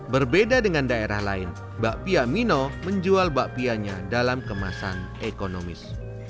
berbeda dengan daerah lain bakpia mino menjual bakpianya dalam kemasan ekonomis